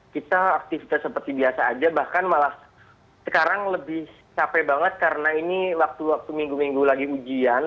kita aktivitas seperti biasa aja bahkan malah sekarang lebih capek banget karena ini waktu waktu minggu minggu lagi ujian